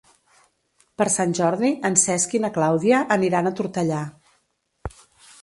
Per Sant Jordi en Cesc i na Clàudia aniran a Tortellà.